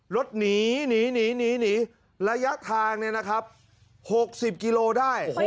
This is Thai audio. รถหนีหนีระยะทางเนี่ยนะครับ๖๐กิโลได้